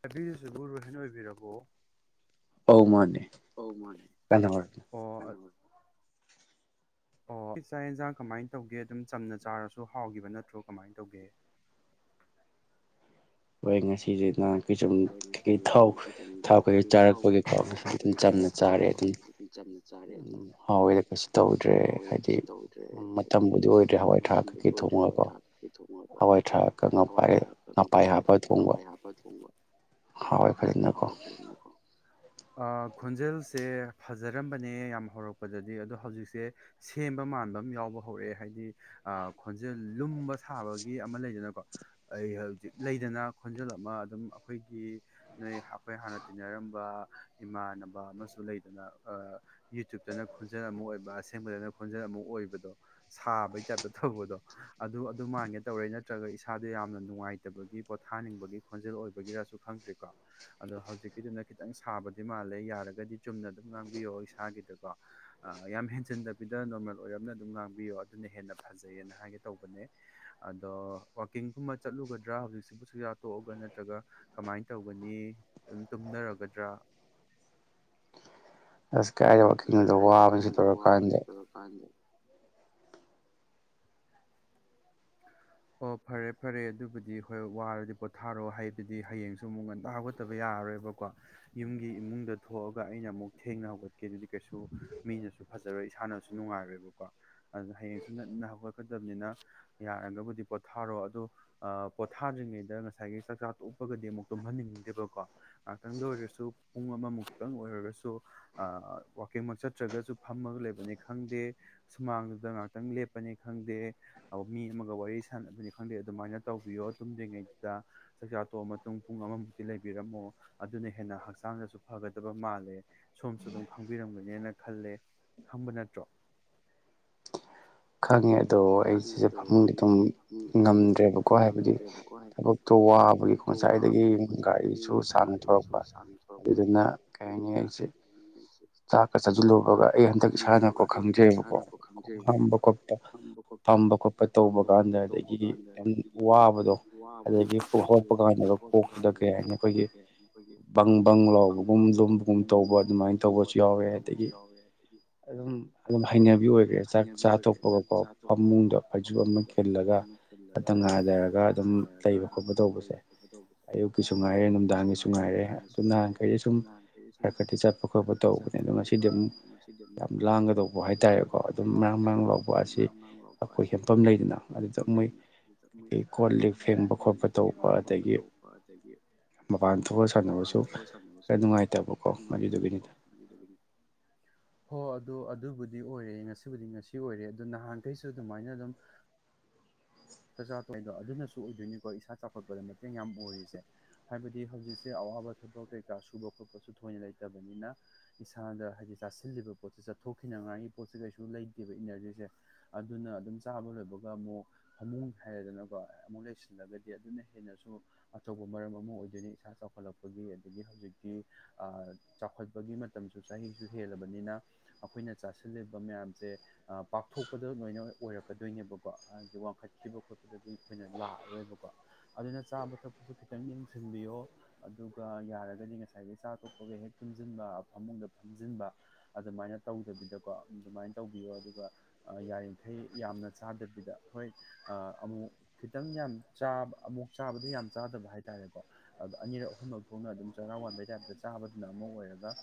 ꯄꯥꯏꯕꯤꯗꯨꯁꯨ ꯒꯨꯔ ꯔꯣꯍꯤꯟ ꯑꯣꯏꯕꯤꯔꯕꯣ ꯑꯧ ꯃꯥꯅꯦ ꯍꯧ ꯃꯥꯅꯦ ꯍ ꯑꯣ ꯏꯥꯛ ꯏꯟꯁꯥꯡ ꯀꯃꯥꯏꯅ ꯇꯧꯒꯦ ꯑꯗꯨꯝ ꯆꯝꯅ ꯆꯥꯔꯁꯨ ꯍꯥꯎꯈꯤꯕ ꯅꯠꯇ꯭ꯔꯣ ꯀꯃꯥꯏꯅ ꯇꯧꯒꯦ ꯍꯣꯏ ꯉꯁꯤꯁꯤꯅ ꯀ ꯁꯨꯝ ꯀꯩꯀꯩ ꯊꯥꯎ ꯊꯥꯎ ꯀꯩꯀꯩ ꯆꯥꯔꯛꯄꯒꯤꯩꯀꯥ ꯑꯗꯨꯝ ꯆꯝꯅ ꯆꯥꯔꯦ ꯑꯗꯨꯝ ꯑꯗꯨꯝ ꯍꯥꯎꯋꯥꯏꯗ ꯀꯩꯁꯨ ꯇꯧꯗ꯭ꯔꯦ ꯍꯥꯏꯗꯤ ꯃꯇꯝꯕꯨꯗꯤ ꯑꯣꯏꯗ꯭ꯔꯦ ꯍꯋꯥꯏ ꯊꯔꯥꯛ ꯀꯩꯀꯩ ꯊꯣꯡꯉꯒꯀꯣ ꯍꯋꯥꯏ ꯊꯔꯥꯛꯒ ꯉꯥꯄ ꯄꯥꯏ ꯍꯥꯞꯄ ꯊꯣꯡꯕ ꯍꯋꯥꯏ ꯐꯔꯤꯗꯀ ꯈꯣꯟꯖꯦꯜꯁꯦ ꯐꯖꯔꯝꯕꯅꯦ ꯌꯥꯝ ꯍꯧꯔꯛꯄꯗꯗꯤ ꯑꯗꯣ ꯍꯧꯖꯤꯛꯁꯦ ꯁꯦꯝꯕ ꯃꯥꯟꯕ ꯑꯃ ꯌꯥꯎꯕ ꯍꯧꯔꯛꯑꯦ ꯍꯥꯏꯗꯤ ꯈꯣꯟꯖꯦꯜ ꯂꯨꯝꯕ ꯁꯥꯕꯒꯤ ꯑꯃ ꯂꯩꯗꯅꯀꯣ ꯑꯩ ꯍꯧꯖꯤꯛ ꯂꯩꯗꯅ ꯈꯣꯟꯖꯦꯜ ꯑꯃ ꯑꯗꯨꯝ ꯑꯩꯈꯣꯏꯒꯤ ꯅꯣꯏ ꯑꯩꯈꯣꯏ ꯍꯥꯟꯅ ꯇꯤꯟꯅꯔꯝꯕ ꯏꯃꯥꯟꯅꯕ ꯑꯃꯁꯨ ꯂꯩꯗꯅ ꯌꯨꯇ꯭ꯌꯨꯕꯇꯅ ꯈꯣꯟꯖꯦꯜ ꯑꯃ ꯑꯣꯏꯕ ꯑꯁꯦꯡꯕꯗꯅ ꯈꯣꯟꯖꯦꯜ ꯑꯃ ꯑꯣꯏꯕꯗꯣ ꯁꯥꯕꯩ ꯇꯥꯏꯞꯇ ꯇꯧꯕꯗꯣ ꯑꯗꯨ ꯑꯗꯨꯃꯥꯏꯅꯒ ꯇꯧꯔꯦ ꯅꯠꯇ꯭ꯔꯒ ꯏꯁꯥꯗ ꯌꯥꯝꯅ ꯅꯨꯡꯉꯥꯏꯇꯕꯒꯤ ꯄꯣꯊꯥꯅꯤꯡꯕꯒꯤ ꯈꯣꯟꯖꯦꯜ ꯑꯣꯏꯕ ꯒꯤꯔꯁꯨ ꯈꯪꯗ꯭ꯔꯤꯀꯣ ꯑꯗꯣ ꯍꯧꯖꯤꯛꯀꯤꯗꯨꯅ ꯈꯤꯇꯪ ꯁꯥꯕꯗꯤ ꯃꯥꯜꯂꯦ ꯌꯥꯔꯒꯗꯤ ꯆꯨꯝꯅ ꯑꯗꯨꯝ ꯉꯥꯡꯕꯤꯌꯣ ꯏꯁꯥꯒꯤꯗꯀꯣ ꯌꯥꯝ ꯍꯦꯟꯖꯤꯟꯗꯕꯤꯗ ꯅꯣꯔꯃꯦꯜ ꯑꯣꯏꯔꯝꯅ ꯑꯗꯨꯝ ꯉꯥꯡꯕꯤꯌꯣ ꯑꯗꯨꯅ ꯍꯦꯟꯅ ꯐꯖꯩꯌꯦꯅ ꯍꯥꯏꯒꯦ ꯇꯧꯕꯅꯦ ꯑꯗꯣ ꯋꯥꯋꯀꯤꯡꯒꯨꯝꯕ ꯆꯠꯂꯨꯒꯗ꯭ꯔꯥ ꯍꯧꯖꯤꯛꯁꯤꯕꯨ ꯁꯌꯥ ꯇꯣꯛꯑꯒ ꯅꯠꯇ꯭ꯔꯒ ꯀꯃꯥꯏꯅ ꯇꯧꯒꯅꯤ ꯑꯗꯨꯝ ꯇꯨꯝꯅꯔꯒꯗ꯭ꯔꯥ ꯑꯁ ꯀꯥꯏꯗ ꯋꯥꯀꯤꯡꯕꯗꯣ ꯋꯥꯕꯁꯨ ꯇꯧꯔꯀꯥꯟꯗ ꯑꯣ ꯐꯔꯦ ꯐꯔꯦ ꯑꯗꯨꯕꯨꯗꯤ ꯍꯣꯏ ꯋꯥꯔꯗꯤ ꯄꯣꯊꯥꯔꯣ ꯍꯥꯏꯕꯗꯤ ꯍꯌꯦꯡꯁꯨ ꯑꯃꯨꯛ ꯉꯟꯟꯅ ꯍꯧꯒꯠꯇꯕ ꯌꯥꯔꯔꯣꯏꯕꯀꯣ ꯌꯨꯝꯒꯤ ꯏꯃꯨꯡꯗ ꯊꯣꯛꯑꯒ ꯑꯩꯅ ꯑꯃꯨꯛ ꯊꯦꯡꯅ ꯍꯧꯒꯠꯀꯦ ꯑꯗꯨꯗꯤ ꯀꯩꯁꯨ ꯃꯤꯅꯁꯨ ꯐꯖꯔꯣꯏ ꯏꯁꯥꯅꯁꯨ ꯅꯨꯡꯉꯥꯏꯔꯣꯏꯕꯀꯣ ꯑꯗꯨ ꯍꯌꯦꯡꯁꯨ ꯉꯟꯅ ꯍꯧꯒꯠꯀꯗꯕꯅꯤꯅ ꯌꯥꯔꯒꯕꯨꯗꯤ ꯄꯣꯊꯥꯔꯣ ꯑꯗꯣ ꯄꯣꯊꯥꯗ꯭ꯔꯤꯉꯩꯗ ꯉꯁꯥꯏꯒꯤ ꯆꯥꯛꯆꯥ ꯇꯣꯛꯄꯒꯗꯤ ꯑꯃꯨꯛ ꯇꯨꯝꯍꯟꯅꯤꯡꯗꯦꯕꯀꯣ ꯉꯍꯥꯛꯇꯪꯗ ꯑꯣꯏꯔꯁꯨ ꯄꯨꯡ ꯑꯃꯃꯨꯛꯇꯪ ꯑꯣꯏꯔꯒꯁꯨ ꯋꯥꯋꯀꯤꯡꯃꯛ ꯆꯠꯇ꯭ꯔꯒꯁꯨ ꯐꯝꯃꯒ ꯂꯩꯕꯅꯤ ꯈꯪꯗꯦ ꯁꯨꯃꯥꯡꯗꯨꯗ ꯉꯍꯥꯛꯇꯪ ꯂꯦꯞꯄꯅꯤ ꯈꯪꯗꯦ ꯃꯤ ꯑꯃꯒ ꯋꯥꯔꯤ ꯁꯥꯟꯅꯕꯅꯤ ꯈꯪꯗꯦ ꯑꯗꯨꯃꯥꯏꯅ ꯇꯧꯕꯤꯌꯣ ꯇꯨꯝꯗ꯭ꯔꯤꯉꯩꯗꯨꯗ ꯆꯥꯛꯆꯥ ꯇꯣꯛꯑ ꯃꯇꯨꯡ ꯄꯨꯡ ꯑꯃꯃꯨꯛꯇꯤ ꯂꯩꯕꯤꯔꯝꯃꯣ ꯑꯗꯨꯅ ꯍꯦꯟꯅ ꯍꯛꯆꯥꯡꯗꯁꯨ ꯐꯒꯗꯕ ꯃꯥꯜꯂꯦ ꯁꯣꯝꯁꯨ ꯑꯗꯨꯝ ꯈꯪꯕꯤꯔꯝꯒꯅꯦꯅ ꯈꯜꯂꯦ ꯈꯪꯕ ꯅꯠꯇ꯭ꯔꯣ ꯈꯪꯉꯦ ꯑꯗꯣ ꯑꯩ ꯁꯤꯁꯦ ꯐꯃꯨꯡꯗꯤ ꯑꯗꯨꯝ ꯉꯝꯗ꯭ꯔꯦꯕꯀꯣ ꯍꯥꯏꯕꯗꯤ ꯊꯕꯛꯇꯣ ꯋꯥꯕꯒꯤ ꯈꯣꯟꯁꯥꯏꯗꯒꯤ ꯒꯥꯔꯤꯁꯨ ꯁꯥꯡ ꯊꯣꯔꯛꯄ ꯑꯗꯨꯗꯨꯅ ꯀꯩ ꯍꯥꯏꯅꯤ ꯑꯩꯁꯦ ꯆꯥꯛꯀ ꯆꯥꯁꯤꯜꯂꯨꯔꯒ ꯑꯩ ꯍꯟꯗꯛ ꯏꯁꯥꯅꯀꯣ ꯈꯪꯖꯩꯕꯀꯣ ꯈꯣꯡ ꯍꯥꯝꯕ ꯈꯣꯠꯄ ꯐꯝꯕ ꯈꯣꯠꯄ ꯇꯧꯕ ꯀꯥꯟꯗ ꯑꯗꯒꯤ ꯁꯤꯗꯤ ꯌꯥꯝ ꯋꯥꯕꯗꯣ ꯑꯗꯒꯤ ꯍꯧꯔꯛꯄ ꯀꯥꯟꯗꯒ ꯀꯣꯛꯁꯤꯨꯗ ꯀꯩ ꯍꯥꯏꯅꯤ ꯑꯩꯈꯣꯏꯒꯤ ꯕꯪ ꯕꯪ ꯂꯥꯎꯕꯒꯨꯝ ꯨꯝꯕꯒꯨꯝ ꯇꯧꯕ ꯑꯗꯨꯃꯥꯏꯅ ꯇꯧꯕꯁꯨ ꯌꯥꯎꯋꯦ ꯑꯗꯒꯤ ꯑꯗꯨꯝ ꯑꯗꯨꯝ ꯍꯩꯅꯕꯤ ꯑꯣꯏꯈ꯭ꯔꯦ ꯆꯥꯛ ꯆꯥꯊꯣꯛꯄꯒꯀꯣ ꯐꯃꯨꯡꯗ ꯐꯩꯁꯨ ꯑꯃ ꯇꯜꯂꯒ ꯈꯛꯇ ꯉꯥꯏꯊꯔꯒ ꯑꯗꯨꯝ ꯂꯩꯕ ꯈꯣꯠꯄ ꯇꯧꯕꯁꯦ ꯑꯌꯨꯛꯀꯤꯁꯨ ꯉꯥꯏꯔꯦ ꯅꯨꯡꯗꯥꯡꯒꯤꯁꯨ ꯉꯥꯏꯔꯦ ꯑꯗꯨ ꯅꯍꯥꯟꯈꯩꯗꯤ ꯁꯨꯝ ꯈꯔ ꯈꯗꯤ ꯆꯠꯄ ꯈ ꯈꯣꯠꯄ ꯇꯧꯕꯅꯦ ꯑꯗꯣ ꯉꯁꯤꯗꯤ ꯑꯃꯝ ꯌꯥꯝ ꯂꯥꯡꯒꯗꯧꯕ ꯍꯥꯏꯇꯥꯔꯦꯀꯣ ꯑꯗꯨꯝ ꯃꯔꯥꯡ ꯃꯔꯥꯡ ꯂꯧꯕ ꯑꯁꯤ ꯑꯩꯈꯣꯏ ꯍꯦꯟꯐꯝ ꯂꯩꯗꯅ ꯑꯗꯨꯗ ꯃꯣꯏ ꯀꯩꯀꯩ ꯀꯣ ꯂꯤꯦꯛ ꯐꯦꯡꯕ ꯈꯣꯠꯄ ꯇꯧꯕ ꯑꯗꯒꯤ ꯃꯄꯥꯟ ꯊꯣꯛꯑ ꯁꯥꯟꯅꯕꯁꯨ ꯈꯔ ꯅꯨꯡꯉꯥꯏꯇꯕꯀꯣ ꯑꯗꯨꯗꯨꯒꯤ ꯗ ꯑꯣ ꯑꯗꯨꯣ ꯑꯗꯨꯕꯨꯗꯤ ꯑꯣꯏꯔꯦ ꯉꯁꯤꯕꯨꯗꯤ ꯉꯁꯤ ꯑꯣꯏꯔꯦ ꯑꯗꯨꯗꯣ ꯅꯍꯥꯟꯈꯩꯁꯨ ꯑꯗꯨꯃꯥꯏꯅ ꯑꯗꯨꯝ ꯆꯥꯛꯆꯥꯥꯊꯣꯏꯗꯣ ꯑꯗꯨꯅꯁꯨ ꯑꯣꯏꯗꯣꯏꯅꯤꯀꯣ ꯏꯁꯥ ꯆꯥꯎꯈꯠꯄꯗ ꯃꯇꯦꯡ ꯌꯥꯝ ꯑꯣꯏꯔꯤꯁꯦ ꯍꯥꯏꯕꯗꯤ ꯍꯧꯖꯤꯛꯁꯦ ꯑꯋꯥꯕ ꯊꯕꯛ ꯀꯩꯀꯥ ꯁꯨꯕ ꯈꯣꯠꯄꯁꯨ ꯊꯣꯏꯅ ꯂꯩꯇꯕꯅꯤꯅ ꯏꯁꯥꯗ ꯍꯥꯏꯕꯗꯤ ꯆꯥꯁꯤꯜꯂꯤꯕ ꯄꯣꯠꯁꯦ ꯆꯠꯊꯣꯛꯈꯤꯅꯉꯥꯏꯒꯤ ꯄꯣꯠꯁꯦ ꯀꯩꯁꯨ ꯂꯩꯇꯦꯕ ꯏꯅꯔꯖꯤꯁꯦ ꯑꯗꯨꯅ ꯑꯗꯨꯝ ꯆꯥꯕ ꯂꯣꯏꯕꯒ ꯑꯃꯨꯛ ꯐꯃꯨꯡ ꯍꯥꯏꯔꯗꯅꯀꯣ ꯑꯃꯨꯛ ꯂꯩꯁꯤꯜꯂꯒꯗꯤ ꯑꯗꯨꯅ ꯍꯦꯟꯅꯁꯨ ꯑꯆꯧꯕ ꯃꯔꯝ ꯑꯃ ꯑꯣꯏꯗꯣꯏꯅꯤ ꯏꯁꯥ ꯆꯥꯎꯈꯠꯂꯛꯄꯒꯤ ꯑꯗꯒꯤ ꯍꯧꯖꯤꯛꯇꯤ ꯆꯥꯎꯈꯠꯄꯒꯤ ꯃꯇꯝꯁꯨ ꯆꯍꯤꯁꯨ ꯍꯦꯜꯂꯕꯅꯤꯅ ꯑꯩꯈꯣꯏꯅ ꯆꯥꯁꯤꯜꯂꯤꯕ ꯃꯌꯥꯝꯁꯦ ꯄꯥꯛꯊꯣꯛꯄꯗ ꯂꯣꯏꯅ ꯑꯣꯏꯔꯛꯀꯗꯣꯏꯅꯦꯕꯀꯣ ꯍꯥꯏꯗꯤ ꯈꯠꯈꯤꯕ ꯈꯣꯠꯄꯗꯗꯤ ꯑꯩꯈꯣꯏꯅ ꯂꯥꯛꯑꯔꯣꯏꯕꯀꯣ ꯑꯗꯨꯅ ꯆꯥꯕ ꯊꯛꯄꯁꯨ ꯈꯤꯇꯪ ꯌꯦꯡꯁꯤꯟꯕꯤꯌꯣ ꯑꯗꯨꯒ ꯌꯥꯔꯒꯗꯤ ꯉꯁꯥꯏꯒꯤ ꯆꯥ ꯇꯛꯄꯒ ꯍꯦꯛ ꯇꯨꯝꯁꯤꯟꯕ ꯐꯃꯨꯡꯗ ꯐꯝꯖꯤꯟꯕ ꯑꯗꯨꯃꯥꯏꯅ ꯇꯧꯗꯕꯤꯗꯀꯣ ꯑꯗꯨꯃꯥꯏꯅ ꯇꯧꯕꯤꯌꯣ ꯑꯗꯨꯒ ꯌꯥꯔꯤꯈꯩ ꯌꯥꯝꯅ ꯆꯥꯗꯕꯤꯗ ꯍꯣꯏ ꯑꯃꯨꯛ ꯈꯤꯇꯪ ꯌꯥꯝꯥ ꯑꯃꯨꯛ ꯆꯥꯕꯗ ꯌꯥꯝ ꯆꯥꯗꯕ ꯍꯥꯏꯇꯥꯔꯦꯀꯣ ꯑꯗꯣ ꯑꯅꯤꯔꯛ ꯑꯍꯨꯝꯂꯛ ꯊꯣꯛꯅ ꯑꯗꯨꯝ ꯆꯔꯥ ꯋꯥꯟꯕꯩ ꯇꯥꯏꯞꯇ ꯆꯥꯕꯗꯨꯅ ꯑꯃ ꯑꯣꯏꯔꯒ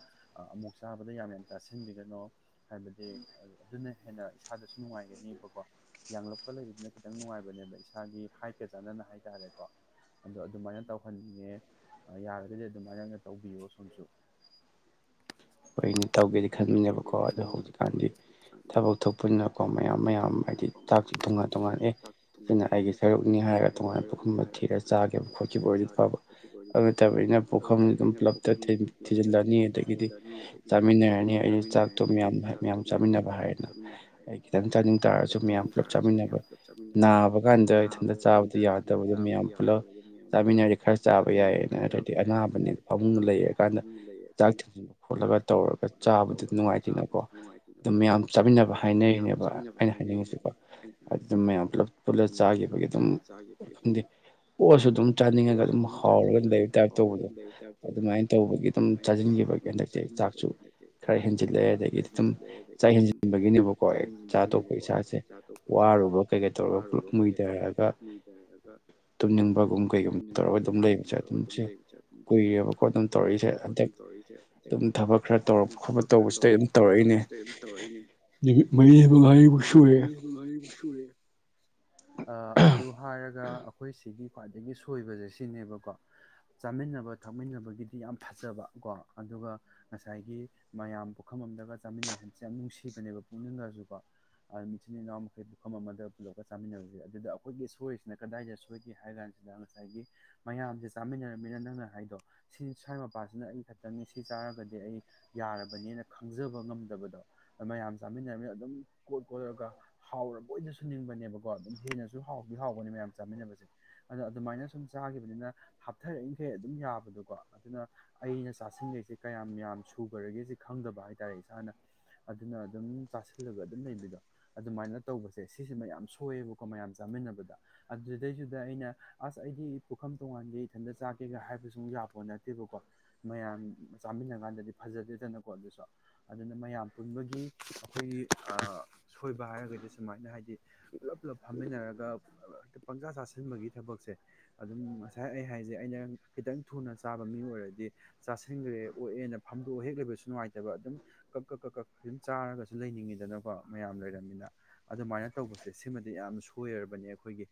ꯑꯃꯨꯛ ꯆꯥꯕꯗ ꯌꯥꯝ ꯌꯥꯝ ꯆꯥꯁꯤꯟꯕꯤꯒꯅꯣ ꯍꯥꯏꯕꯗꯤ ꯑꯗꯨꯅ ꯍꯦꯟꯅ ꯏꯁꯥꯗꯁꯨ ꯅꯨꯡꯉꯥꯏꯒꯅꯦꯕꯀꯣ ꯌꯥꯡꯂꯞꯀ ꯂꯩꯕꯗꯨꯅ ꯈꯤꯇꯪ ꯅꯨꯡꯉꯥꯏꯕꯅꯦꯕ ꯏꯁꯥꯒꯤ ꯍꯥꯏꯀ ꯆꯥꯟꯅꯅ ꯍꯥꯏꯇꯥꯔꯦꯀꯣ ꯑꯗꯣ ꯑꯗꯨꯃꯥꯏꯅ ꯇꯧꯍꯟꯅꯤꯡꯉꯦ ꯌꯥꯔꯒꯗꯤ ꯑꯗꯨꯃꯥꯏꯅ ꯑꯣꯏꯅ ꯇꯧꯕꯤꯌꯣ ꯁꯣꯝꯁꯨ ꯑꯩꯈꯣꯏꯩꯅ ꯇꯧꯒꯦꯗꯤ ꯈꯟꯕꯅꯦꯕꯀꯣ ꯑꯗꯣ ꯍꯧꯖꯤꯛꯀꯥꯟꯗꯤ ꯊꯕꯛ ꯊꯣꯛꯄꯅꯤꯅꯀꯣ ꯃꯌꯥꯝ ꯃꯌꯥꯝ ꯍꯥꯏꯗꯤ ꯊꯥꯛꯁꯤ ꯇꯣꯉꯥꯟ ꯇꯣꯉꯥꯟꯑ ꯁꯤꯅ ꯑꯩꯒꯤ ꯁꯔꯨꯛꯅꯤ ꯍꯥꯏꯔꯒ ꯇꯣꯉꯥꯟꯅ ꯄꯨꯈꯐꯝ ꯑꯃ ꯊꯤꯔꯒ ꯆꯥꯈꯤꯕ ꯈꯣꯠꯈꯤꯕ ꯑꯣꯏꯔꯗꯤ ꯐꯕ ꯑꯗꯨ ꯅꯠꯇꯕꯅꯤꯅ ꯄꯨꯈꯐꯝ ꯑꯗꯨꯝ ꯄꯨꯂꯞꯇ ꯊꯤꯖꯤꯜꯂꯅꯤ ꯑꯗꯒꯤꯗꯤ [unintelligible] ꯑꯩꯅ ꯆꯥꯛꯇꯣ ꯃꯌꯥꯝ ꯃꯌꯥꯝ ꯆꯥꯃꯤꯟꯅꯕ ꯍꯥꯏꯌꯦꯅ ꯑꯩ ꯈꯤꯇꯪ ꯆꯥꯅꯤꯡ ꯇꯥꯔꯁꯨ ꯃꯌꯥꯝ ꯄꯨꯜꯂꯞ ꯆꯥꯃꯤꯟꯅꯕ ꯅꯥꯕ ꯀꯥꯟꯗ ꯏꯊꯟꯇ ꯆꯥꯕꯗ ꯌꯥꯗꯕꯗꯣ ꯃꯌꯥꯝ ꯄꯨꯜꯂꯞ ꯆꯥꯃꯤꯟꯅꯔꯗꯤ ꯈꯔ ꯆꯥꯕ ꯌꯥꯏꯌꯦꯑꯅ ꯑꯗꯤ ꯑꯅꯥꯕꯅꯦ ꯐꯃꯨꯡ ꯂꯩꯔꯀꯥꯟꯗ ꯆꯥꯛ ꯊꯤꯡꯖꯤꯟꯕ ꯈꯣꯠꯂꯒ ꯆꯥꯕꯗꯨ ꯅꯨꯡꯉꯥꯏꯇꯦꯅꯀꯣ ꯑꯗꯨꯝ ꯃꯌꯥꯝ ꯆꯥꯃꯤꯟꯅꯕ ꯍꯥꯏꯅꯔꯤꯅꯦꯕ ꯑꯩꯅ ꯍꯥꯏꯅꯤꯡꯉꯁꯤꯀꯣ ꯑꯗꯨꯗꯝ ꯃꯌꯥꯝ ꯄꯨꯂꯞ ꯄꯨꯂ ꯆꯥꯈꯤꯕꯒꯤ ꯑꯗꯨꯝ ꯈꯪꯗꯦ ꯑꯣꯔꯁꯨ ꯑꯗꯨꯝ ꯆꯥꯅꯤꯡꯉꯒ ꯑꯗꯨꯝ ꯍꯥꯎꯔꯒ ꯂꯩꯕ ꯇꯥꯏꯞ ꯇꯧꯕꯗꯣ ꯑꯗꯨꯃꯥꯏꯅ ꯇꯧꯕꯒꯤ ꯑꯗꯨꯝ ꯆꯥꯁꯤꯟꯈꯤꯕꯒꯤ ꯍꯟꯗꯛꯇꯤ ꯑꯩ ꯈꯔ ꯍꯦꯟꯖꯤꯜꯂꯛꯑꯦ ꯑꯗꯒꯤꯗꯤ ꯑꯗꯨꯝ ꯆꯥꯛ ꯍꯦꯟꯖꯤꯟꯕꯒꯤꯅꯦꯕꯀꯣ ꯆꯥ ꯑꯇꯣꯞꯄ ꯏꯁꯥꯁꯦ ꯋꯥꯔꯨꯕ ꯀꯩꯀꯩ ꯇꯧꯔꯒ ꯄꯨꯂꯞ ꯃꯨꯏꯊꯔꯒ ꯇꯨꯝꯅꯤꯡꯕꯒꯨꯝ ꯀꯩꯒꯨꯝꯕ ꯇꯧꯔꯒ ꯑꯗꯨꯝ ꯂꯩꯕꯁꯦ ꯑꯗꯨꯝ ꯁꯤ ꯀꯨꯏꯔꯦꯕ ꯈꯣꯠ ꯑꯗꯨꯝ ꯇꯧꯔꯛꯏꯁꯦ ꯍꯟꯗꯛ ꯑꯗꯨꯝ ꯈꯔ ꯇꯧꯔꯛꯄ ꯈꯣꯠꯄ ꯇꯧꯕꯁꯤꯗ ꯑꯩ ꯑꯗꯨꯝ ꯇꯧꯔꯛꯏꯅꯦ ꯅꯨꯃꯤꯠ ꯃꯔꯤꯕ ꯉꯥꯏꯐ ꯁꯨꯌꯦꯦ ꯑꯗꯨ ꯍꯥꯏꯔꯒ ꯑꯩꯈꯣꯏ ꯁꯤꯒꯤ ꯈ꯭ꯋꯥꯏꯗꯒꯤ ꯁꯣꯏꯕꯁꯦ ꯁꯤꯅꯦꯕꯀꯣ ꯆꯥꯃꯤꯟꯅꯕ ꯊꯛꯃꯤꯟꯅꯕꯒꯤꯗꯤ ꯌꯥꯝ ꯐꯖꯕ ꯀꯣ ꯑꯗꯨꯒ ꯉ ꯉꯁꯥꯏꯒꯤ ꯃꯌꯥꯝ ꯄꯨꯈꯝ ꯑꯃꯗꯒ ꯆꯥꯃꯤꯟꯅꯩ ꯍꯥꯏꯁꯦ ꯌꯥꯝ ꯅꯨꯡꯁꯤꯕꯅꯦꯕ ꯄꯨꯛꯅꯤꯡꯒꯁꯨꯀꯣ ꯏꯆꯤꯟ ꯏꯅꯥꯎ ꯃꯈꯩ ꯄꯨꯈꯝ ꯑꯃꯗ ꯄꯨꯜꯂꯛꯒ ꯆꯥꯃꯤꯟꯅꯔꯁꯦ ꯑꯗꯨꯗ ꯑꯩꯈꯣꯏꯒꯤ ꯁꯣꯏꯔꯤꯁꯤꯅ ꯀꯗꯥꯏꯗ ꯁꯣꯏꯒꯦ ꯍꯥꯏ ꯀꯥꯟꯁꯤꯗ ꯉꯁꯥꯏꯒꯤ ꯃꯌꯥꯝꯁꯦ ꯆꯥꯃꯤꯟꯅꯔꯕꯅꯤꯅ ꯅꯪꯅ ꯍꯥꯏꯗꯣ ꯁꯤ ꯁ꯭ꯋꯥꯏ ꯃꯄꯥꯁꯤꯅ ꯑꯩ ꯈꯛꯇꯪꯅꯤ ꯁꯤ ꯆꯥꯔꯒꯗꯤ ꯑꯩ ꯌꯥꯔꯕꯅꯦꯅ ꯈꯪꯖꯕ ꯉꯝꯗꯕꯗꯣ ꯃꯌꯥꯝ ꯆꯥꯃꯤꯟꯅꯅꯤꯅ ꯑꯗꯨꯝ ꯀꯣꯠ ꯀꯣꯠꯂꯒ ꯍꯥꯎꯔꯕ ꯑꯣꯏꯅꯁꯨꯨ ꯅꯤꯡꯕꯅꯦꯕꯀꯣ ꯑꯗꯨꯝ ꯍꯦꯟꯅꯁꯨ ꯍꯥꯎꯗꯤ ꯍꯥꯎꯕꯅꯦ ꯃꯌꯥꯝ ꯆꯥꯃꯤꯟꯅꯕꯁꯦ ꯑꯗꯣ ꯑꯗꯨꯃꯥꯏꯅ ꯁꯨꯝ ꯆꯥꯈꯤꯕꯅꯤꯅ ꯍꯥꯞꯊꯔꯛꯏꯈꯩ ꯑꯗꯨꯝ ꯌꯥꯕꯗꯣꯀꯣ ꯑꯗꯨꯅ ꯑꯩꯅ ꯆꯥꯁꯤꯈꯩꯁꯦ ꯀꯌꯥꯝ ꯌꯥꯝꯌꯥꯝ ꯁꯨꯈ꯭ꯔꯒꯦꯁꯤ ꯈꯪꯗꯕ ꯍꯥꯏꯇꯥꯔꯦ ꯏꯁꯥꯅ ꯑꯗꯨꯅ ꯑꯗꯨꯝ ꯆꯥꯁꯤꯜꯂꯒ ꯑꯗꯨꯝ ꯂꯩꯕꯤꯗꯣ ꯑꯗꯨꯃꯥꯏꯅ ꯇꯧꯕꯁꯦ ꯁꯤꯁꯤ ꯃꯌꯥꯝ ꯁꯣꯛꯑꯦꯕꯀꯣ ꯃꯌꯥꯝ ꯆꯥꯃꯤꯟꯅꯕꯗ ꯑꯗꯨꯗꯩꯗꯨꯗ ꯑꯩꯅ ꯑꯁ ꯑꯩꯗꯤ ꯄꯨꯈꯝ ꯇꯣꯡꯉꯥꯟꯒꯦ ꯏꯊꯟꯇ ꯆꯥꯛꯀꯦꯒ ꯍꯥꯏꯕꯁꯨ ꯑꯃꯨꯛ ꯌꯥꯄꯣ ꯅꯠꯇꯦꯕꯀꯣ ꯃꯌꯥꯝ ꯆꯥꯃꯤꯟꯅ ꯀꯥꯟꯗꯗꯤ ꯐꯖꯗꯦꯗꯅꯀꯣ ꯑꯗꯨꯁꯨ ꯑꯗꯨꯅ ꯃꯌꯥꯝ ꯄꯨꯟꯕꯒꯤ ꯑꯩꯈꯣꯏꯒꯤ ꯁꯣꯏꯕ ꯍꯥꯏꯔꯒꯗꯤ ꯁꯨꯃꯥꯏꯅ ꯍꯥꯏꯗꯤ ꯄꯨꯂꯞ ꯄꯨꯂꯞ ꯐꯝꯃꯤꯟꯅꯔꯒ ꯄꯪꯖꯥ ꯆꯥꯁꯤꯟꯕꯒꯤ ꯊꯕꯛꯁꯦ ꯑꯗꯨꯝ ꯉꯁꯥꯏ ꯑꯩ ꯍꯥꯏꯁꯦ ꯑꯩꯅ ꯈꯤꯇꯪ ꯊꯨꯅ ꯆꯥꯕ ꯃꯤ ꯑꯣꯏꯔꯗꯤ ꯆꯥꯁꯤꯟꯈ꯭ꯔꯦ ꯑꯣꯛꯑꯦꯅ ꯐꯝꯗꯣꯛꯑ ꯍꯦꯛ ꯂꯩꯕꯁꯨ ꯅꯨꯡꯉꯥꯏꯇꯕ ꯑꯗꯨꯝ ꯀꯛ ꯀꯛ ꯀ ꯀꯛ ꯑꯗꯨꯝ ꯆꯥꯔꯒꯁꯨ ꯂꯩꯅꯤꯡꯉꯤꯗꯅꯀꯣ ꯃꯌꯥꯝ ꯂꯩꯔꯝꯃꯤꯅ ꯑꯗꯨꯃꯥꯏꯅ ꯇꯧꯕꯁꯦ ꯁꯤꯃꯗꯤ ꯌꯥꯝꯅ ꯁꯣꯏꯔꯕꯅꯦ ꯑꯩꯈꯣꯏꯒꯤ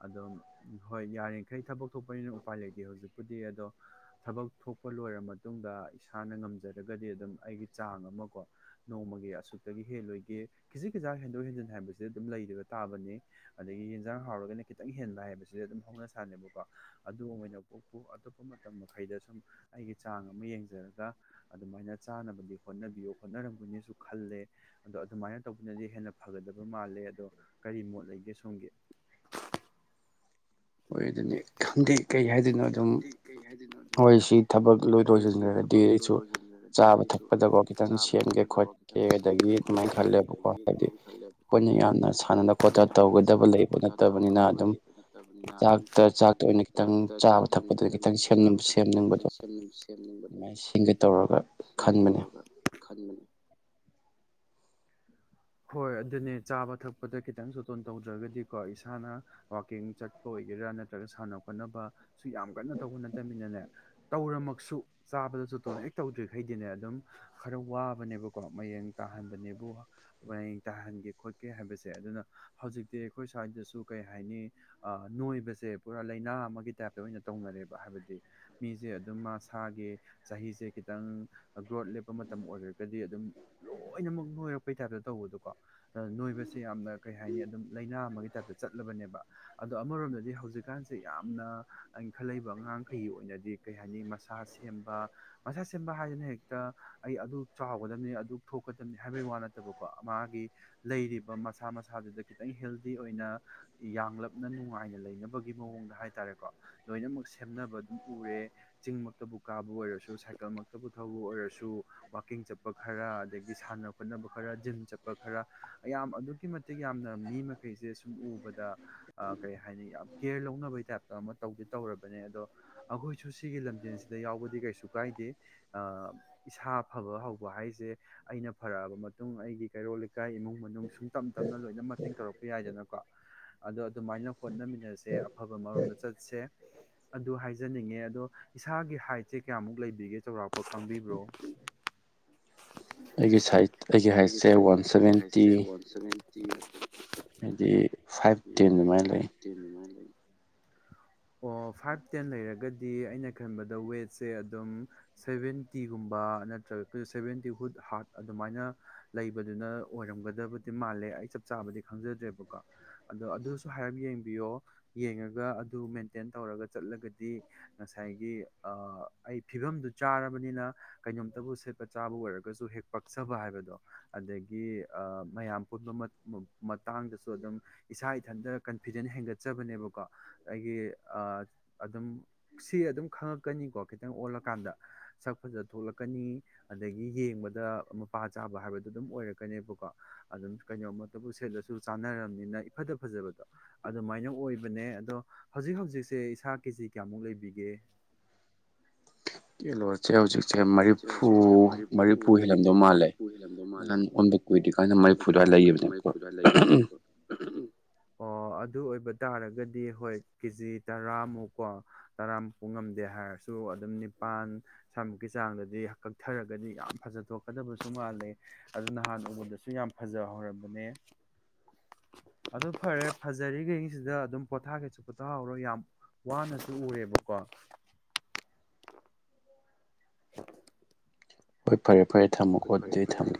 ꯑꯗꯣ ꯍꯣꯏ ꯌꯥꯔꯤꯈꯩ ꯊꯕꯛ ꯊꯣꯛꯄꯅꯤꯅ ꯎꯄꯥꯏ ꯂꯩꯇꯦ ꯍꯧꯖꯤꯛꯄꯨꯗꯤ ꯑꯗꯣ ꯊꯕꯛ ꯊꯣꯛꯄ ꯂꯣꯏꯔꯕ ꯃꯇꯨꯡꯗ ꯏꯁꯥꯅ ꯉꯝꯖꯔꯒꯗꯤ ꯑꯗꯨꯝ ꯑꯩꯒꯤ ꯆꯥꯡ ꯑꯃ ꯀꯣ ꯅꯣꯡꯃꯒꯤ ꯑꯁꯨꯛꯇꯒꯤ ꯍꯦꯜꯂꯣꯏꯒꯦ ꯈꯤꯖꯤꯛ ꯈꯤꯖꯥꯛ ꯍꯦꯟꯗꯣꯛ ꯍꯦꯟꯖꯤꯟ ꯍꯥꯏꯕꯁꯤꯗ ꯑꯗꯨꯝ ꯂꯩꯕ ꯇꯥꯕꯅꯤ ꯑꯗꯒꯤ ꯌꯦꯟꯁꯥꯡ ꯍꯥꯎꯔꯒꯅ ꯈꯤꯇꯪ ꯍꯦꯟꯕ ꯍꯥꯏꯕꯁꯤꯗꯤ ꯑꯗꯨꯝ ꯍꯧꯅ ꯁꯥꯟꯕꯀꯣ ꯑꯗꯨ ꯑꯣꯏꯅ ꯄꯣꯛꯄꯨ ꯑꯇꯣꯞꯄ ꯃꯇꯝ ꯃꯈꯩꯗ ꯁꯨꯝ ꯑꯩꯒꯤ ꯆꯥꯡ ꯑꯃ ꯌꯦꯡꯖꯔ ꯑꯗꯨꯃꯥꯏꯅ ꯆꯥꯅꯕꯗꯤ ꯍꯣꯠꯅꯕꯤꯌꯨ ꯍꯣꯠꯅꯔꯝꯒꯅꯤꯁꯨ ꯈꯜꯂꯦ ꯑꯗꯣ ꯑꯗꯨꯃꯥꯏꯅ ꯇꯧꯕꯅꯗꯤ ꯍꯦꯟꯅ ꯐꯒꯗꯕ ꯃꯥꯜꯂꯦ ꯑꯗꯣ ꯀꯔꯤ ꯃꯣꯠ ꯂꯩꯒꯦ ꯁꯣꯝꯒꯤ ꯑꯣꯏ ꯑꯗꯨꯅꯤ ꯈꯟꯗꯤ ꯀꯩ ꯍꯥꯏꯗꯣꯏꯅꯣ ꯑꯗꯨꯝ ꯑꯩꯣꯏ ꯁꯤ ꯊꯕꯛ ꯂꯣꯏ ꯂꯣꯏꯁꯤꯟꯈ꯭ꯔꯒꯗꯤ ꯑꯩꯁꯨ ꯆꯥꯕ ꯊꯛꯄꯗꯀꯣ ꯈꯤꯇꯪ ꯁꯦꯝꯒꯦ ꯈꯣꯠꯀꯦ ꯑꯗꯒꯤ ꯑꯗꯨꯃꯥꯏꯅ ꯈꯜꯂꯦꯕꯀꯣ ꯍꯥꯏꯕꯗꯤ ꯑꯩꯈꯣꯏꯅ ꯌꯥꯝꯅ ꯁꯥꯟꯅꯗ ꯈꯣꯠꯅ ꯇꯧꯒꯗꯕ ꯂꯩꯕ ꯅꯠꯇꯕꯅꯤꯅ ꯑꯗꯨꯝ ꯆꯥꯛꯇ ꯆꯥꯛꯇ ꯑꯣꯏꯅ ꯈꯤꯇꯪ ꯆꯥꯛꯇ ꯑꯣꯏꯅ ꯈꯤꯇꯪ ꯆꯥꯕ ꯊꯛꯄꯗ ꯈꯤꯇꯪ ꯁꯦꯝ ꯁꯦꯝꯅꯤꯡꯕꯗꯣ ꯗ ꯇꯧꯔꯒ ꯐꯅꯤ ꯍꯣꯏ ꯑꯗꯨꯅꯦ ꯆꯥꯕ ꯊꯛꯄꯗ ꯈꯤꯇꯪ ꯆꯣꯇꯣꯟ ꯇꯧꯗ꯭ꯔꯒꯗꯤꯀꯣ ꯏꯁꯥꯅ ꯋꯥꯋꯀꯤꯡ ꯆꯠꯄ ꯑꯣꯏꯒꯦꯔꯥ ꯅꯠꯇ꯭ꯔꯒ ꯁꯥꯟꯅ ꯈꯣꯠꯅꯕꯁꯨ ꯌꯥꯝ ꯀꯟꯅ ꯇꯧꯕ ꯅꯠꯇꯃꯤꯅꯅꯦ ꯇꯧꯔꯃꯛꯁꯨ ꯆꯥꯕꯗ ꯆꯣꯇꯣꯟ ꯍꯦꯛ ꯇꯧꯗ꯭ꯔꯤꯈꯩꯗꯤꯅꯦ ꯑꯗꯨꯝ ꯈꯔ ꯋꯥꯕꯅꯦꯕꯀꯣ ꯃꯌꯦꯡ ꯇꯥꯍꯟꯗꯅꯦꯕꯨ ꯃꯌꯦꯡ ꯇꯥꯍꯟꯒꯦ ꯈꯣꯠꯀꯦ ꯍꯥꯏꯕꯁꯦ ꯑꯗꯨꯅ ꯍꯧꯖꯤꯛꯇꯤ ꯑꯩꯈꯣꯏ ꯁ꯭ꯋꯥꯏꯗꯁꯨ ꯀꯩ ꯍꯥꯏꯅꯤ ꯅꯣꯏꯕꯁꯦ ꯄꯨꯔꯥ ꯂꯥꯏꯅꯥ ꯑꯃꯒꯤ ꯇꯥꯏꯞꯇ ꯑꯣꯏꯅ ꯇꯧꯅꯔꯦꯕ ꯍꯥꯏꯕꯗꯤ ꯃꯤꯁꯦ ꯑꯗꯨꯝ ꯃꯥꯁꯥꯒꯤ ꯆꯍꯤꯁꯦ ꯈꯤꯇꯪ ꯒ꯭ꯔꯣꯠ ꯂꯦꯞꯄ ꯃꯇꯝ ꯑꯣꯏꯈ꯭ꯔꯒꯗꯤ ꯑꯗꯨꯝ ꯂꯣꯏꯅꯃꯛ ꯂꯣꯏꯔꯛꯄꯩ ꯇꯥꯏꯞꯇ ꯇꯧꯕꯗꯣꯀꯣ ꯅꯣꯏꯕꯁꯦ ꯌꯥꯝꯅ ꯀꯩ ꯍꯥꯏꯅꯤ ꯑꯗꯨꯝ ꯂꯥꯏꯅꯥ ꯑꯃꯒꯤ ꯇꯥꯏꯞꯇ ꯆꯠꯂꯕꯅꯦꯕ ꯑꯗꯣ ꯑꯃꯔꯣꯝꯗꯗꯤ ꯍꯧꯖꯤꯛꯀꯥꯟꯁꯦ ꯌꯥꯝꯅ ꯑꯩꯅ ꯈꯜꯂꯛꯏꯕ ꯑꯉꯥꯡꯈꯩꯒꯤ ꯑꯣꯏꯅꯗꯤ ꯀꯩ ꯍꯥꯏꯅꯤ ꯃꯁꯥ ꯁꯦꯝꯕ ꯃꯁꯥ ꯁꯦꯝꯕ ꯍꯥꯏꯗꯅ ꯍꯦꯛꯇ ꯑꯩ ꯑꯗꯨ ꯆꯥꯎꯒꯗꯕꯅꯤ ꯑꯗꯨ ꯊꯣꯛꯀꯗꯕꯅꯤ ꯍꯥꯏꯕꯩ ꯋꯥ ꯅꯠꯇꯕꯀꯣ ꯀꯣ ꯃꯥꯒꯤ ꯂꯩꯔꯤꯕ ꯃꯁꯥ ꯃꯁꯥꯗꯨꯗ ꯈꯤꯇꯪ ꯍꯦꯜꯗꯤ ꯑꯣꯏꯅ ꯌꯥꯡꯂꯞꯅ ꯅꯨꯡꯉꯥꯏꯅ ꯂꯩꯅꯕꯒꯤ ꯃꯑꯣꯡꯗ ꯍꯥꯏꯇꯥꯔꯦꯀꯣ ꯂꯣꯏꯅꯃꯛ ꯁꯦꯝꯅꯕ ꯑꯗꯨꯝ ꯎꯔꯦ ꯆꯤꯡꯃꯛꯇꯕꯨ ꯀꯥꯕꯨ ꯑꯣꯏꯔꯁꯨ ꯁꯥꯏꯀꯜꯃꯛꯇꯕꯨ ꯊꯧꯕ ꯑꯣꯏꯔꯁꯨ ꯋꯥꯋꯀꯤꯡ ꯆꯠꯄ ꯈꯔ ꯑꯗꯒꯤ ꯁꯥꯟꯅ ꯈꯣꯠꯅꯕ ꯈꯔ ꯖꯤꯝ ꯆꯠꯄ ꯈꯔ ꯌꯥꯝꯌꯥꯝ ꯑꯗꯨꯛꯀꯤ ꯃꯇꯤꯛ ꯌꯥꯝꯅ ꯃꯤ ꯃꯈꯩꯁꯦ ꯁꯨꯝ ꯎꯕꯗ ꯀꯩ ꯍꯥꯏꯅꯤ ꯌꯥꯝ ꯀꯦꯌꯔ ꯂꯧꯅꯕꯩ ꯇꯥꯏꯞꯇ ꯑꯃ ꯇꯧꯗꯦ ꯇꯧꯔꯕꯅꯦ ꯑꯗꯣ ꯑꯩꯈꯣꯏꯁꯨ ꯁꯤꯒꯤ ꯂꯝꯖꯦꯟꯁꯤꯗ ꯌꯥꯎꯕꯗꯤ ꯀꯩꯁꯨ ꯀꯥꯏꯗꯦ ꯏꯁꯥ ꯐꯕ ꯍꯧꯕ ꯍꯥꯏꯁꯦ ꯑꯩꯅ ꯐꯔꯛꯑꯕ ꯃꯇꯨꯡ ꯑꯩꯒꯤ ꯀꯩꯔꯣ ꯏꯀꯥꯏ ꯏꯃꯨꯡ ꯃꯅꯨꯡ ꯁꯨꯡ ꯇꯞ ꯇꯞꯅ ꯂꯣꯏꯅꯃꯛ ꯤꯡ ꯇꯧꯔꯛꯄ ꯌꯥꯏꯗꯅꯀꯣ ꯑꯗꯣ ꯑꯗꯨꯃꯥꯏꯅ ꯍꯣꯠꯅꯃꯤꯟꯅꯁꯦ ꯑꯐꯕ ꯃꯔꯣꯝꯗ ꯆꯠꯁꯦ ꯑꯗꯨ ꯍꯥꯏꯖꯅꯤꯡꯉꯦ ꯑꯗꯣ ꯏꯁꯥꯒꯤ ꯍꯥꯏꯠꯁꯦ ꯀꯌꯥꯃꯨꯛ ꯂꯩꯕꯤꯒꯦ ꯆꯥꯎꯧꯔꯥꯛꯄ ꯈꯪꯕꯤꯕ꯭ꯔꯣ ꯑꯩꯒꯤ ꯁꯥꯏ ꯑꯩꯒꯤ ꯍꯥꯏꯠꯁꯦ ꯋꯥꯟ ꯁꯚꯦꯟꯇꯤ ꯊ ꯍꯥꯏꯗꯤ ꯐꯥꯏꯚ ꯇꯦꯟ ꯑꯗꯨꯃꯥꯏꯅ ꯂꯩ ꯑꯣ ꯐꯥꯏꯚ ꯇꯦꯟ ꯂꯩꯔꯒꯗꯤ ꯑꯩꯅ ꯈꯟꯕꯗ ꯋꯦꯠꯁꯦ ꯑꯗꯨꯝ ꯁꯚꯦꯟꯇꯤꯒꯨꯝꯕ ꯅꯠꯇ꯭ꯔꯒ ꯁꯚꯦꯟꯇꯤ ꯍꯨꯠ ꯍꯥꯔꯠ ꯑꯗꯨꯃꯥꯏꯅ ꯂꯩꯕꯗꯨꯅ ꯑꯣꯏꯔꯝꯒꯗꯕꯗꯤ ꯃꯥꯜꯂꯦ ꯑꯩ ꯆꯞ ꯆꯥꯕꯗꯤ ꯈꯪꯖꯗ꯭ꯔꯦꯕꯀꯣ ꯑꯗꯣ ꯑꯗꯨꯁꯨ ꯍꯥꯏꯔꯞ ꯌꯦꯡꯕꯤꯌꯣ ꯌꯦꯡꯉꯒ ꯑꯗꯨ ꯃꯦꯟꯇꯦꯟ ꯇꯧꯔꯒ ꯆꯠꯂꯒꯗꯤ ꯉꯁꯥꯏꯒꯤ ꯑꯩ ꯐꯤꯕꯝꯗꯨ ꯆꯥꯔꯕꯅꯤꯅ ꯀꯩꯅꯣꯝꯇꯕꯨ ꯁꯦꯠꯄ ꯆꯥꯕ ꯑꯣꯏꯔꯒꯁꯨ ꯍꯦꯛ ꯄꯛꯆꯕ ꯍꯥꯏꯕꯗꯣ ꯑꯗꯒꯤ ꯃꯌꯥꯝ ꯄꯨꯟꯕ ꯃꯇꯥꯡꯗꯁꯨ ꯑꯗꯨꯝ ꯏꯁꯥ ꯏꯊꯟꯇ ꯀꯟꯐꯤꯗꯦꯟ ꯍꯦꯟꯒꯠꯆꯕꯅꯦꯕꯀꯣ ꯑꯩꯒꯤ ꯑꯗꯨꯝ ꯁꯤ ꯑꯗꯨꯝ ꯈꯪꯉꯛꯀꯅꯤꯀꯣ ꯈꯤꯇꯪ ꯑꯣꯜꯂꯀꯥꯟꯗ ꯁꯛ ꯐꯖ ꯊꯣꯛꯂꯛꯀꯅꯤ ꯑꯗꯒꯤ ꯌꯦꯡꯕꯗ ꯃꯄꯥ ꯆꯥꯕ ꯍꯥꯏꯕꯗ ꯑꯗꯨꯝ ꯑꯣꯏꯔꯛꯀꯅꯦꯕꯀꯣ ꯑꯗꯨꯝ ꯀꯩꯅꯣꯝꯃꯇꯕꯨ ꯁꯦꯠꯂꯁꯨ ꯆꯥꯅꯔꯕꯅꯤꯅ ꯏꯐꯗ ꯐꯖꯕꯗꯣ ꯑꯗꯨꯃꯥꯏꯅ ꯑꯣꯏꯕꯅꯦ ꯑꯗꯣ ꯍꯧꯖꯤꯛ ꯍꯧꯖꯤꯛꯁꯦ ꯏꯁꯥ ꯀꯦꯖꯤ ꯀꯌꯥꯃꯨꯛ ꯂꯩꯕꯤꯒꯦ ꯀꯂꯣꯁꯦ ꯍꯧꯖꯤꯛꯁꯦ ꯃꯔꯤꯐꯨ ꯃꯔꯤꯐꯨ ꯍꯦꯜꯂꯝꯗꯧ ꯃꯥꯜꯂꯦ ꯗꯧ ꯃꯥꯜꯂꯦ ꯅꯪ ꯌꯟꯗ ꯀꯨꯏꯗ꯭ ꯀꯥꯟꯗ ꯃꯔꯤꯐꯨꯗꯥ ꯂꯩꯌꯦꯕꯅꯀꯣ ꯑꯣ ꯑꯗꯨ ꯑꯣꯏꯕ ꯇꯥꯔꯒꯗꯤ ꯍꯣꯏ ꯀꯦꯖꯤ ꯇꯔꯥꯃꯨꯛ ꯀꯣ ꯇꯔꯥꯃꯨꯛꯄꯨ ꯉꯝꯗꯦ ꯍꯥꯏꯔꯁꯨ ꯑꯗꯨꯝ ꯅꯤꯄꯥꯥꯟ ꯁ꯭ꯃꯨꯛꯀꯤ ꯆꯥꯡꯗꯗꯤ ꯀꯛꯊꯔꯒꯗꯤ ꯌꯥꯝ ꯐꯖꯊꯣꯛꯀꯗꯕꯁꯨ ꯃꯥꯜꯂꯦ ꯑꯗꯨ ꯅꯍꯥꯟ ꯎꯕꯗꯁꯨ ꯌꯥꯝ ꯐꯖꯍꯔꯕꯅꯦ ꯑꯗꯨ ꯐꯔꯦ ꯐꯖꯔꯤꯈꯩꯁꯤꯗ ꯑꯗꯨꯝ ꯄꯣꯊꯥ ꯀꯩꯁꯨ ꯄꯣꯊꯥꯍꯧꯔꯣ ꯌꯥꯝ ꯋꯥꯅꯁꯨ ꯎꯔꯦꯕꯀꯣ [inaudible] ꯍꯣꯏ ꯐꯔꯦ ꯐꯔꯦ ꯊꯝꯃꯀꯣ ꯑꯗꯨ ꯑꯩ ꯊꯝꯒꯦ